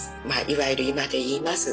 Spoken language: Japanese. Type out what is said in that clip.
いわゆる今でいいます